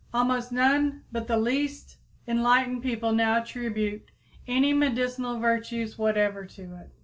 Almost none but the least enlightened people now attribute any medicinal virtues whatever to it.